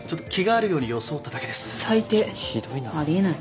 あり得ない。